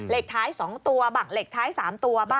เลขท้าย๒ตัวบ้างเหล็กท้าย๓ตัวบ้าง